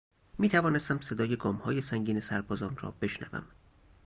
میتوانستم صدای گامهای سنگین سربازان را بشنوم.